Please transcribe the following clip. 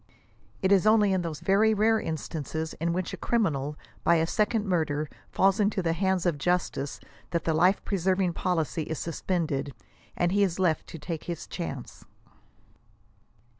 It is only *• in those very rare instances in which a criminal, by a second murder falls into the hands of justice that the life preserving policy is suspended, and he is lef\ to take his chance."